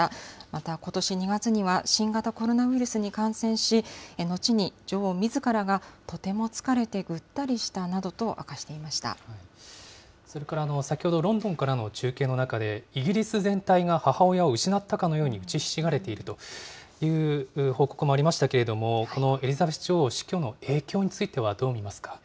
またことし２月には、新型コロナウイルスに感染し、後に女王みずからが、とても疲れてぐったりしそれから、先ほど、ロンドンからの中継の中で、イギリス全体が母親を失ったかのようにうちひしがれているという報告もありましたけれども、このエリザベス女王の死去の影響については、どう見ますか。